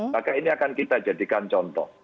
maka ini akan kita jadikan contoh